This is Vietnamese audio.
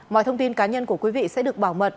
mọi thông tin cá nhân của quý vị sẽ được bảo mật